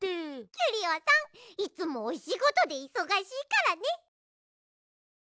キュリオさんいつもおしごとでいそがしいからね。